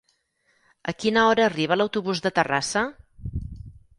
A quina hora arriba l'autobús de Terrassa?